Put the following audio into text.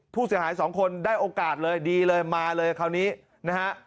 ผู้เสียหายสองคนได้โอกาสเลยดีเลยมาเลยคราวนี้นะฮะ